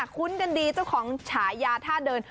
คุ้นกันดีเจ้าของฉายาท่าเดิน